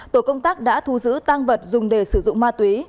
tổ công tác đã thu giữ tăng vật dùng để sử dụng ma túy